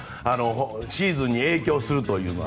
シーズンに影響するというのは。